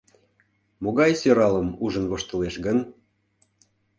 Могай сӧралым ужын воштылеш гын?